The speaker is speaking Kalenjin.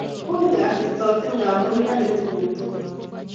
Ui kasit sotik ngamun kali tukuk tugul